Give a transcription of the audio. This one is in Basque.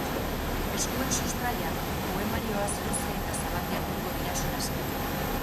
Eskuen sustraiak poemarioaz luze eta zabal jardungo dira solasean.